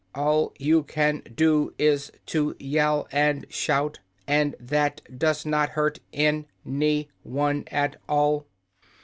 All you can do is to yell and shout, and that does not hurt an y one at all."